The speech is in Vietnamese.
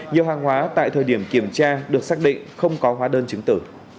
nhiều hàng hóa tại thời điểm kiểm tra được xác định không có hóa đơn chứng tử